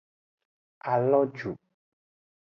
A lo ju.